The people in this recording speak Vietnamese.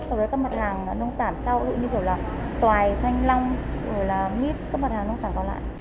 các mặt hàng nông tản sau ví dụ như là tòai thanh long mít các mặt hàng nông tản còn lại